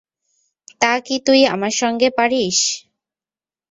তা কি তুই আমার সঙ্গে পারিস?